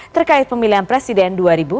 terkait pemilihan presiden dua ribu dua puluh empat